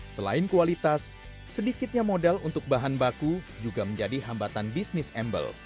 selain kualitas sedikitnya modal untuk bahan baku juga menjadi hambatan bisnis embel